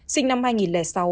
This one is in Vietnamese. sinh năm hai nghìn sáu hà nội